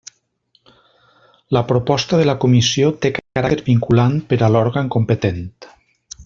La proposta de la comissió té caràcter vinculant per a l'òrgan competent.